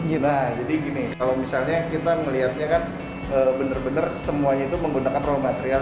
nah jadi gini kalau misalnya kita melihatnya kan benar benar semuanya itu menggunakan raw material